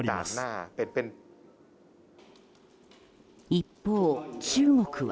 一方、中国は。